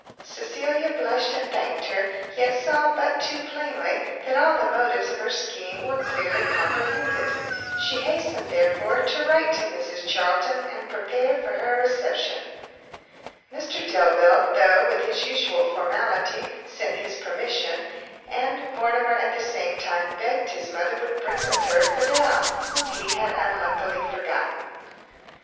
Cecilia blushed and thanked her, yet saw but too plainly that all the motives of her scheme were clearly comprehended. She hastened, therefore, to write to Mrs Charlton, and prepare for her reception. Mr Delvile, though with his usual formality, sent his permission; and Mortimer at the same time, begged his mother would bring with her Fidel, whom he had unluckily forgotten.